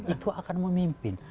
itu akan memimpin